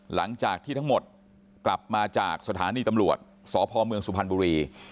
หลังจากที่ทั้งหมดกลับมาจากสถานีตำรวจสพเมืองสุพรรณบุรี